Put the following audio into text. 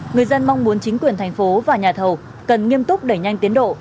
người dân mong muốn chính quyền thành phố và nhà thầu cần nghiêm túc đẩy nhanh tiến độ